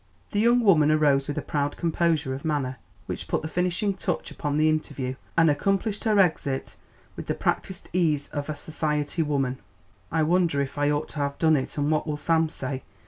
The young woman arose with a proud composure of manner, which put the finishing touch upon the interview, and accomplished her exit with the practised ease of a society woman. "I wonder if I ought to have done it? And what will Sam say?"